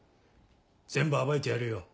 全部暴いてやるよ。